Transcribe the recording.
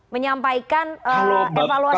menyampaikan evaluasi dukungan